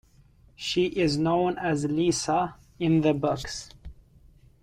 She is known as "Lisa" in the books.